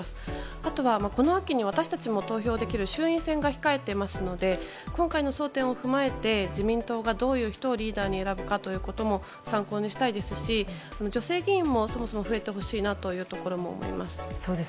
あとはこの秋に私たちも投票できる衆院選も控えていますので今回の争点を踏まえて自民党が、どういう人をリーダーに選ぶかも参考にしたいですし女性議員もそろそろ増えてほしいと思います。